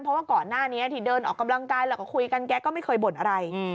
เพราะว่าก่อนหน้านี้ที่เดินออกกำลังกายแล้วก็คุยกันแกก็ไม่เคยบ่นอะไร